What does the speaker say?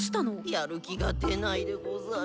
やる気が出ないでござる。